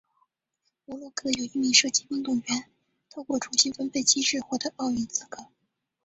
摩洛哥有一名射击运动员透过重新分配机制获得奥运资格。